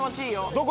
どこ？